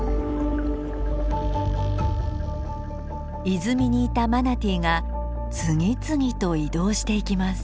泉にいたマナティーが次々と移動していきます。